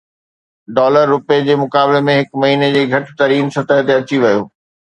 dollar رپئي جي مقابلي ۾ هڪ مهيني جي گهٽ ترين سطح تي اچي ويو